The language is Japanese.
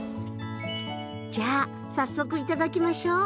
じゃあ早速頂きましょう。